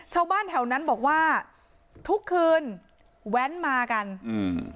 ชาวบ้านแถวนั้นบอกว่าทุกคืนแว้นมากันอืม